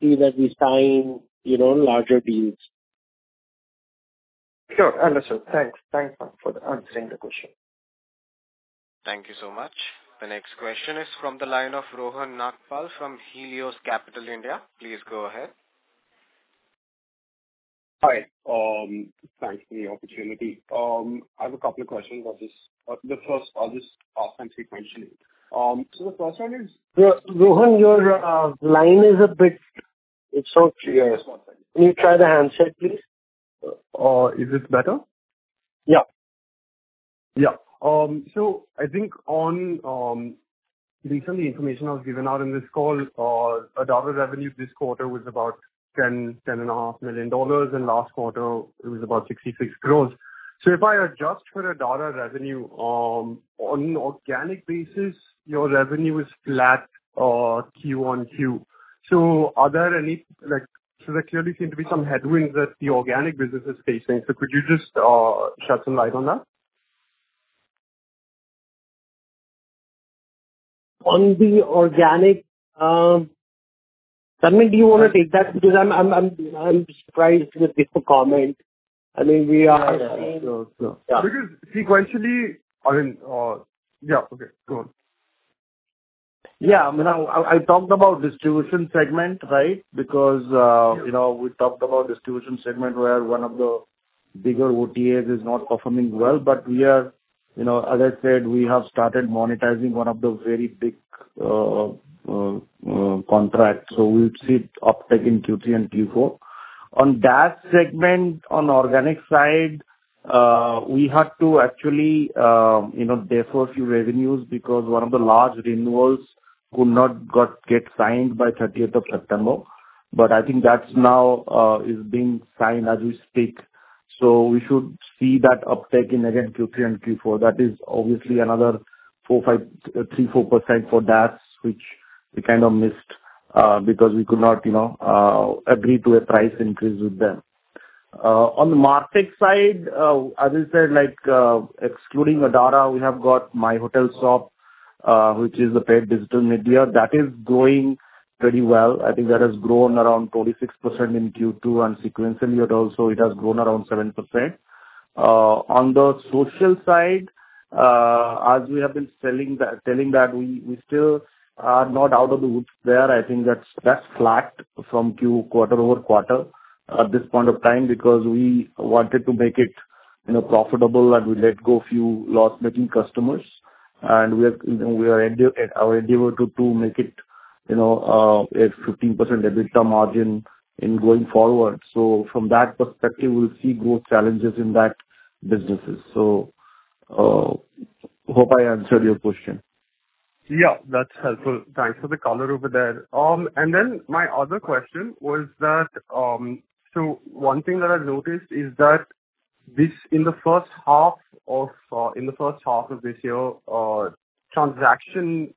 that we sign, you know, larger deals. Sure, understood. Thanks. Thanks for answering the question. Thank you so much. The next question is from the line of Rohan Nagpal from Helios Capital India. Please go ahead. Hi. Thanks for the opportunity. I have a couple of questions on this. The first, I'll just ask them sequentially. So the first one is- Rohan, your line is a bit... It's not clear. Yeah, one second. Can you try the handset, please? Is this better? Yeah. Yeah. So I think on recently information I was given out in this call, Adara revenue this quarter was about $10 million-$10.5 million, and last quarter it was about 66 crore. So if I adjust for Adara revenue, on organic basis, your revenue is flat, Q-on-Q. So are there any, like, so there clearly seem to be some headwinds that the organic business is facing. So could you just shed some light on that? On the organic, Tanmay, do you want to take that? Because I'm surprised with the comment. I mean, we are- Sure. Sure. Yeah. Because sequentially, I mean... Yeah, okay, go on.... Yeah, I mean, I talked about distribution segment, right? Because, you know, we talked about distribution segment, where one of the bigger OTAs is not performing well. But we are, you know, as I said, we have started monetizing one of the very big contracts, so we'll see it uptick in Q3 and Q4. On that segment, on organic side, we had to actually, you know, defer a few revenues because one of the large renewals could not get signed by 30th of September. But I think that's now is being signed as we speak, so we should see that uptick in again, Q3 and Q4. That is obviously another 3%-4% for that, which we kind of missed because we could not, you know, agree to a price increase with them. On the market side, as I said, like, excluding Adara, we have got Myhotelshop, which is the paid digital media. That is going pretty well. I think that has grown around 46% in Q2, and sequentially it also, it has grown around 7%. On the social side, as we have been selling that, telling that we, we still are not out of the woods there. I think that's, that's slacked quarter-over-quarter at this point of time, because we wanted to make it, you know, profitable and we let go a few loss-making customers. And we are, you know, we are at our endeavor to, to make it, you know, a 15% EBITDA margin going forward. So from that perspective, we'll see growth challenges in that business. Hope I answered your question. Yeah, that's helpful. Thanks for the color over there. And then my other question was that, so one thing that I noticed is that this, in the first half of this year, transaction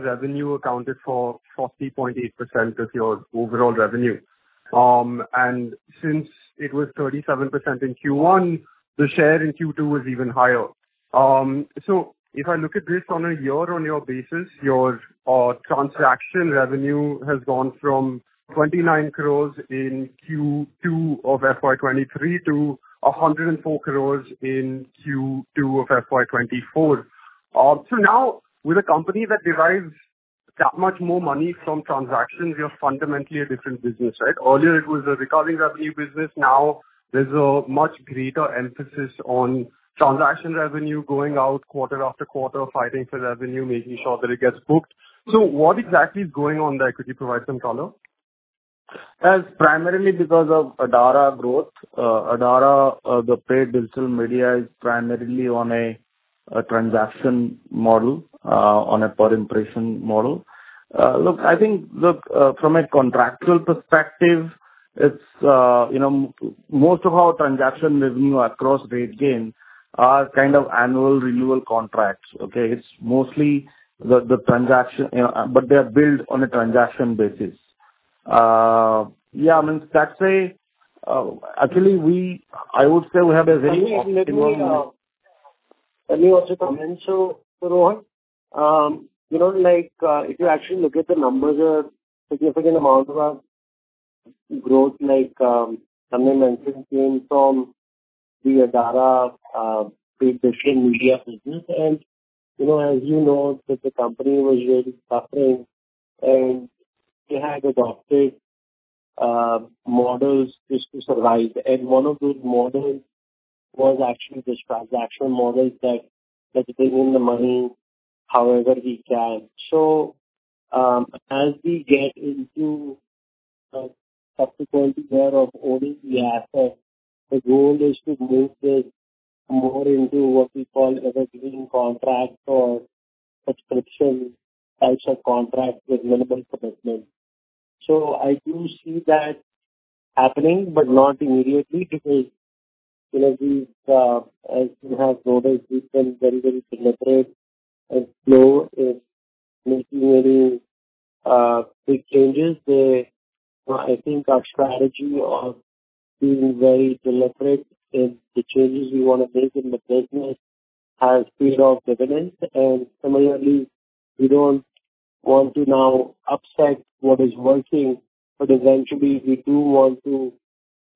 revenue accounted for 40.8% of your overall revenue. And since it was 37% in Q1, the share in Q2 was even higher. So if I look at this on a year-on-year basis, your transaction revenue has gone from 29 crore in Q2 of FY 2023 to 104 crore in Q2 of FY 2024. So now, with a company that derives that much more money from transactions, you're fundamentally a different business, right? Earlier it was a recurring revenue business. Now there's a much greater emphasis on transaction revenue going out quarter after quarter, fighting for revenue, making sure that it gets booked. What exactly is going on there? Could you provide some color? That's primarily because of Adara growth. Adara, the paid digital media, is primarily on a transaction model, on a per impression model. Look, I think, from a contractual perspective, it's you know, most of our transaction revenue across RateGain are kind of annual renewal contracts, okay? It's mostly the transaction, you know, but they're billed on a transaction basis. Yeah, I mean, that way, actually, I would say we have a very- Let me, let me also comment. So, Rohan, you know, like, if you actually look at the numbers, a significant amount of our growth, like, Tanmay mentioned, came from the Adara, paid digital media business. And, you know, as you know, that the company was really suffering, and we had adopted, models just to survive. And one of those models was actually this transaction model that, that bring in the money however we can. So, as we get into, subsequently there of owning the asset, the goal is to move this more into what we call evergreen contract or subscription types of contracts with minimal commitment. So I do see that happening, but not immediately, because, you know, we, as you have noticed, we've been very, very deliberate, and slow in making any, big changes. I think our strategy of being very deliberate in the changes we want to make in the business has paid off dividends. And similarly, we don't want to now upset what is working, but eventually we do want to,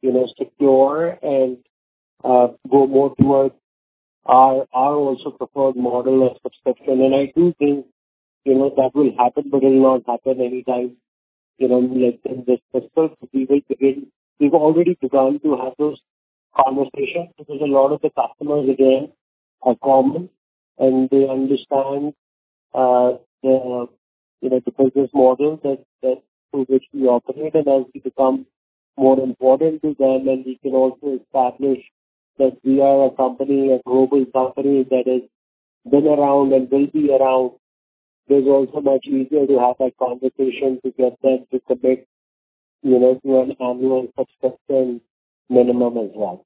you know, secure and go more towards our, our also preferred model of subscription. And I do think, you know, that will happen, but it will not happen anytime, you know, like in this quarter. We will begin-- We've already begun to have those conversations because a lot of the customers there are common, and they understand the, you know, the purchase model that through which we operate. As we become more important to them and we can also establish that we are a company, a global company that has been around and will be around, it's also much easier to have that conversation to get them to commit, you know, to an annual subscription minimum as well.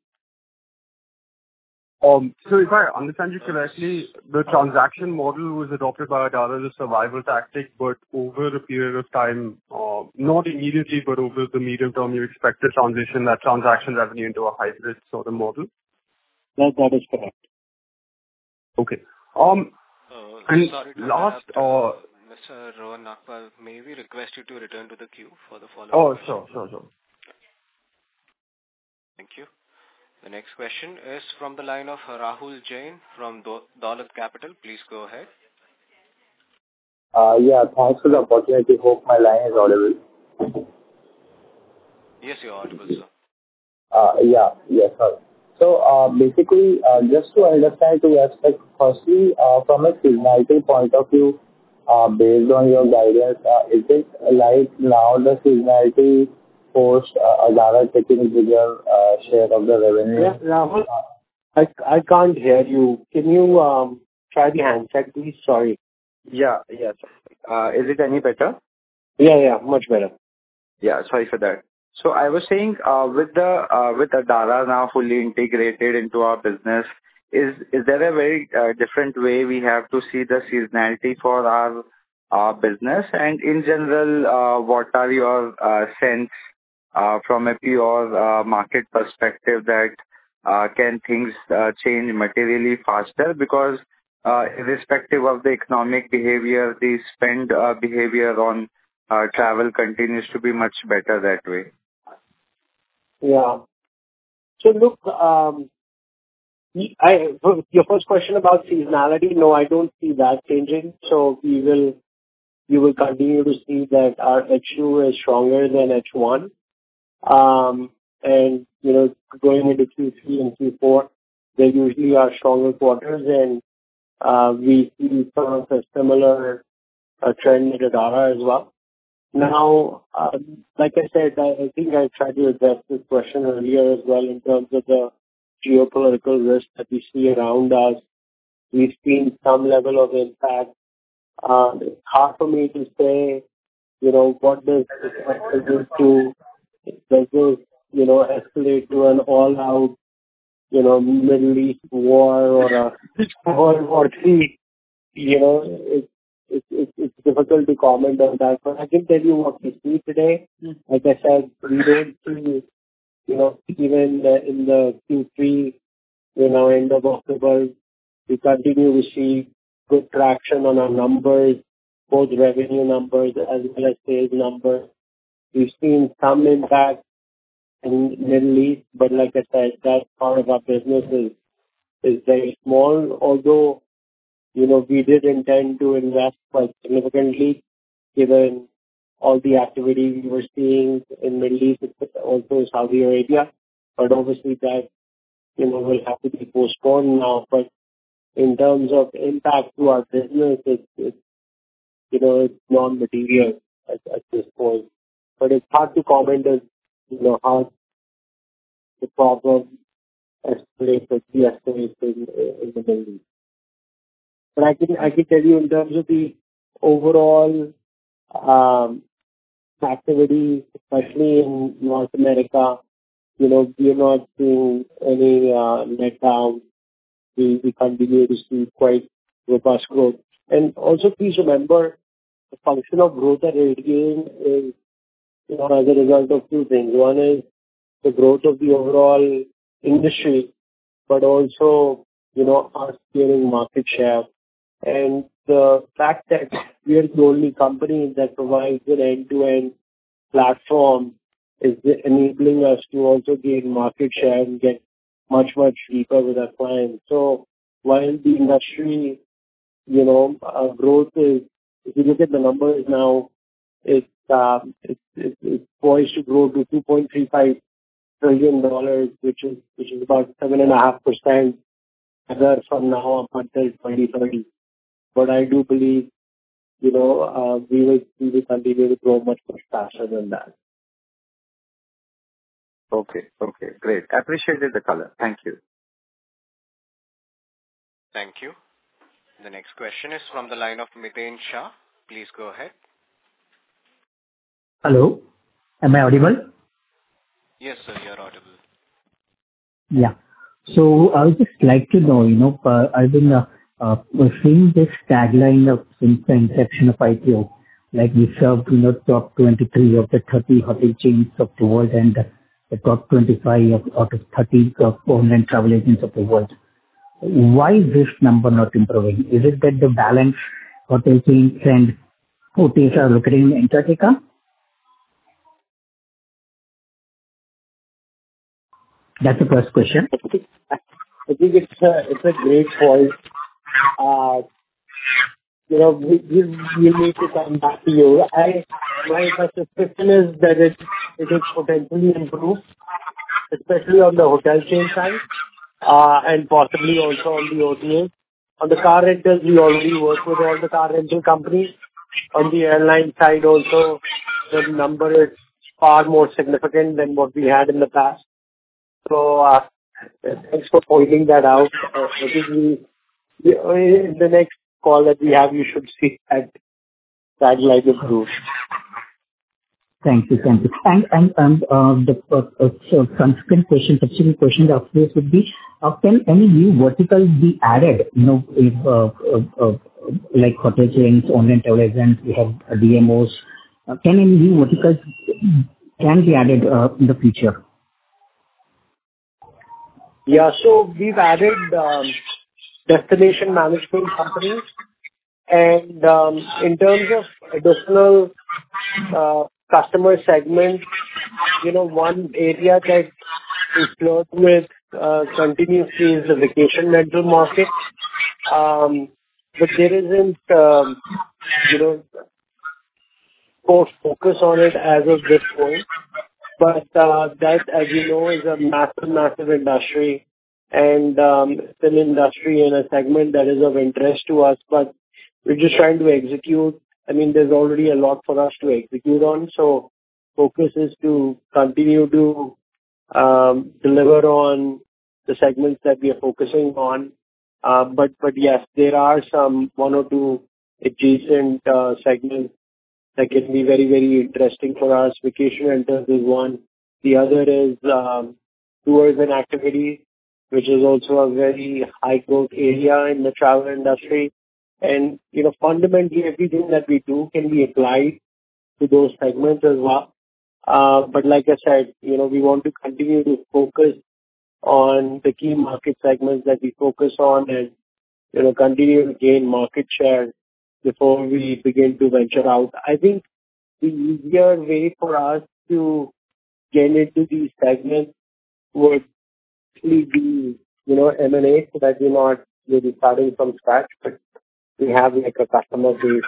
So if I understand you correctly, the transaction model was adopted by Adara as a survival tactic, but over a period of time, not immediately, but over the medium term, you expect to transition that transaction revenue into a hybrid sort of model? Yes, that is correct. Okay. And last, Mr. Rohan Nagpal, may we request you to return to the queue for the follow-up? Oh, sure, sure, sure.... Thank you. The next question is from the line of Rahul Jain from Dolat Capital. Please go ahead. Yeah, thanks for the opportunity. Hope my line is audible. Yes, you're audible, sir. Yeah. Yes, sir. So, basically, just to understand to you, firstly, from a seasonality point of view, based on your guidance, is it like now the seasonality post Adara kicking with your share of the revenue? Yeah, Rahul, I can't hear you. Can you try the handset, please? Sorry. Yeah. Yes. Is it any better? Yeah, yeah, much better. Yeah, sorry for that. So I was saying, with Adara now fully integrated into our business, is there a very different way we have to see the seasonality for our business? And in general, what are your sense from a pure market perspective that can things change materially faster? Because, irrespective of the economic behavior, the spend behavior on travel continues to be much better that way. Yeah. So look, your first question about seasonality, no, I don't see that changing. So we will—you will continue to see that our H2 is stronger than H1. And, you know, going into Q3 and Q4, they usually are stronger quarters and, we see some of the similar, trend in Adara as well. Now, like I said, I think I tried to address this question earlier as well in terms of the geopolitical risk that we see around us. We've seen some level of impact. It's hard for me to say, you know, what this does this to, does this, you know, escalate to an all-out, you know, Middle East war or, or, or three, you know, it's, it's, it's difficult to comment on that, but I can tell you what we see today. Mm-hmm. Like I said, we went through, you know, even in the Q3, you know, end of October, we continue to see good traction on our numbers, both revenue numbers as well as sales numbers. We've seen some impact in Middle East, but like I said, that part of our business is very small. Although, you know, we did intend to invest quite significantly given all the activity we were seeing in Middle East, also in Saudi Arabia. But obviously that, you know, will have to be postponed now. But in terms of impact to our business, it's, you know, it's non-material at this point. But it's hard to comment on, you know, how the problem escalates or de-escalates in the Middle East. But I can, I can tell you in terms of the overall activity, especially in North America, you know, we are not seeing any letdown. We, we continue to see quite robust growth. And also, please remember, the function of growth at RateGain is, you know, as a result of two things. One is the growth of the overall industry, but also, you know, us gaining market share. And the fact that we are the only company that provides an end-to-end platform is enabling us to also gain market share and get much, much deeper with our clients. So while the industry, you know, growth is, if you look at the numbers now, it's, it's poised to grow to $2.35 trillion, which is about 7.5% either from now up until 2030. But I do believe, you know, we will, we will continue to grow much, much faster than that. Okay. Okay, great. I appreciated the color. Thank you. Thank you. The next question is from the line of Miten Shah. Please go ahead. Hello, am I audible? Yes, sir, you are audible. Yeah. So I would just like to know, you know, I've been seeing this tagline of inception of IPO, like we served, you know, top 23 of the 30 hotel chains of the world and the top 25 out of 30 of online travel agents of the world. Why is this number not improving? Is it that the balance hotel chains and OTAs are looking in Antarctica? That's the first question. I think it's a great point. You know, we need to come back to you. My first suspicion is that it will potentially improve, especially on the hotel chain side, and possibly also on the OTA. On the car rentals, we already work with all the car rental companies. On the airline side also, the number is far more significant than what we had in the past. So, thanks for pointing that out. Maybe we, in the next call that we have, you should see that tagline improve. Thank you. Thank you. And so the subsequent question, subsequent question after this would be, can any new verticals be added, you know, if like hotel chains, online travel agents, we have DMOs. Can any new verticals can be added in the future?... Yeah, so we've added destination management companies. And in terms of additional customer segment, you know, one area that we float with continuously is the vacation rental market. But there isn't, you know, more focus on it as of this point, but that, as you know, is a massive, massive industry and it's an industry and a segment that is of interest to us, but we're just trying to execute. I mean, there's already a lot for us to execute on, so focus is to continue to deliver on the segments that we are focusing on. But, but yes, there are some one or two adjacent segments that can be very, very interesting for us. Vacation rentals is one. The other is tours and activities, which is also a very high-growth area in the travel industry. Fundamentally, everything that we do can be applied to those segments as well. But like I said, you know, we want to continue to focus on the key market segments that we focus on and, you know, continue to gain market share before we begin to venture out. I think the easier way for us to get into these segments would actually be, you know, M&A, so that we're not really starting from scratch, but we have, like, a customer base.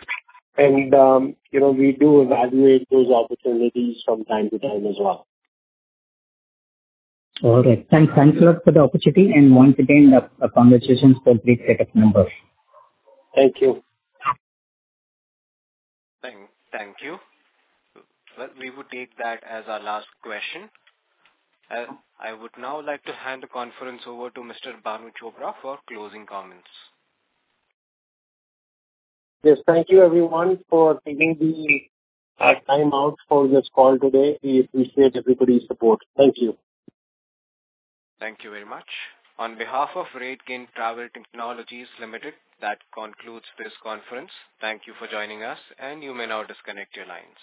You know, we do evaluate those opportunities from time to time as well. All right. Thanks. Thanks a lot for the opportunity and once again, congratulations for great set of numbers. Thank you. Thank, thank you. Well, we would take that as our last question. I would now like to hand the conference over to Mr. Bhanu Chopra for closing comments. Yes, thank you everyone for taking the time out for this call today. We appreciate everybody's support. Thank you. Thank you very much. On behalf of RateGain Travel Technologies Limited, that concludes this conference. Thank you for joining us, and you may now disconnect your lines.